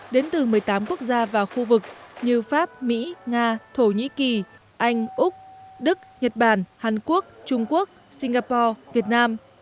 đến từ một mươi tám quốc gia và khu vực như pháp mỹ nga thổ nhĩ kỳ anh úc đức nhật bản hàn quốc trung quốc singapore việt nam